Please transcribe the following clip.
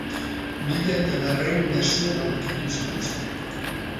Mila eta berrehun hezur aurkitu zituzten.